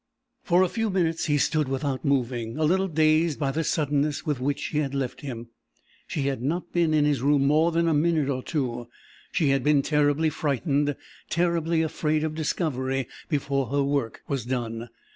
For a few minutes he stood without moving, a little dazed by the suddenness with which she had left him. She had not been in his room more than a minute or two. She had been terribly frightened, terribly afraid of discovery before her work was done.